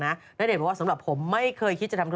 โอลี่คัมรี่ยากที่ใครจะตามทันโอลี่คัมรี่ยากที่ใครจะตามทัน